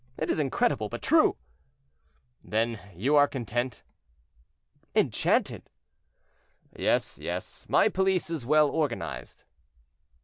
It is incredible, but true." "Then you are content?" "Enchanted." "Yes, yes; my police is well organized."